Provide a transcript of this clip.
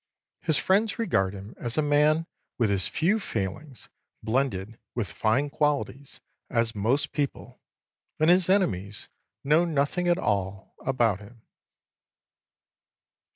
His friends regard him as a man with as few failings, blended with fine qualities, as most people, and his enemies know nothing at all about him."